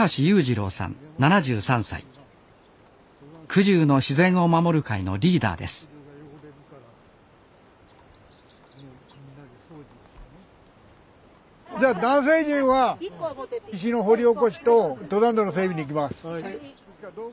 「くじゅうの自然を守る会」のリーダーですでは男性陣は石の掘り起こしと登山道の整備に行きます。